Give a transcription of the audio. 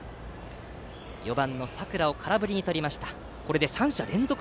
４番、佐倉を空振りにとりました。